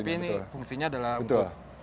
tapi ini fungsinya adalah